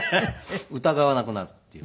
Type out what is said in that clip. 疑わなくなるっていうね。